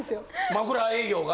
枕営業が？